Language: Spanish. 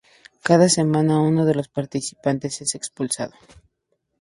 Cada semana uno de los participantes es expulsado.